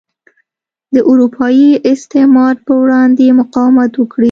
د اروپايي استعمار پر وړاندې مقاومت وکړي.